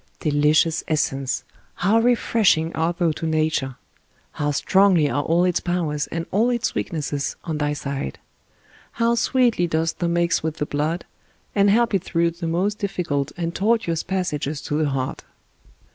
Delicious essence! how refreshing art thou to Nature 1 How strongly are all its powers and all its weaknesses on thy side ! How sweetly dost thou mix with the blood, and help it through the most difficult and tortuous passages to the heart!